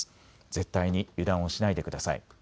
絶対に油断をしないでください。